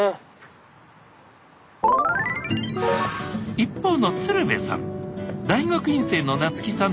一方の鶴瓶さん